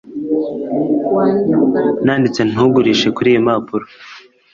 Nanditse ntugurishe kuriyi mpapuro